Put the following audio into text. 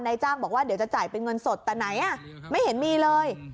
จ้างบอกว่าเดี๋ยวจะจ่ายเป็นเงินสดแต่ไหนไม่เห็นมีเลย